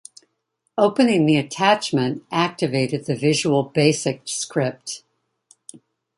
Opening the attachment activated the Visual Basic script.